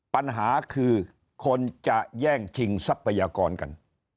ปัญหาคือคนจะแย่งชิงทรัพยากรกัน